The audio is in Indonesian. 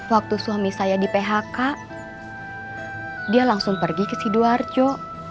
waktu suami saya di phk dia langsung pergi ke sidoarjo